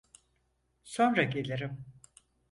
Sonra gelirim.